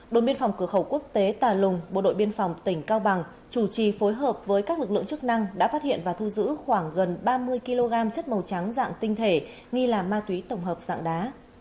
đội biên phòng cửa khẩu quốc tế tà lùng bộ đội biên phòng tỉnh cao bằng chủ trì phối hợp với các lực lượng chức năng đã phát hiện và thu giữ khoảng gần ba mươi kg chất màu trắng dạng tinh thể nghi là ma túy tổng hợp dạng đá